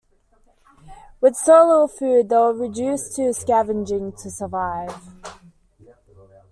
With so little food they were reduced to scavenging to survive.